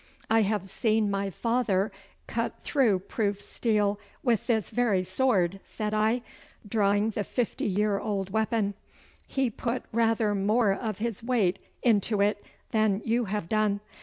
'I have seen my father cut through proof steel with this very sword,' said I, drawing the fifty year old weapon. 'He put rather more of his weight into it than you have done.